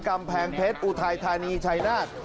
กำแพงเพชรอุทัยธานีชัยนาฏ